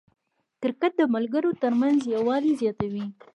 کرکټ د ملګرو ترمنځ یووالی زیاتوي.